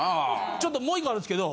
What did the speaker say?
ちょっともう１個あるんですけど。